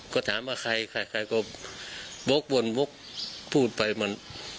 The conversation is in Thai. ก็ถามว่าใครใครก็วกวนวกพูดไปมัน